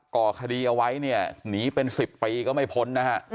ก่อคดีเอาไว้หนีเป็น๑๐ปีก็ไม่พ้น